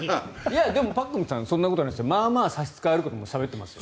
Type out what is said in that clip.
でもパックンさんそんなことないですよまあまあ差し支えのあることも話していますよ。